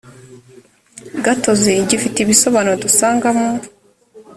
gatozi gifite ibisobanuro dusanga mu